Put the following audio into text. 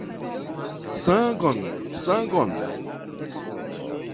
Sangon, sangon!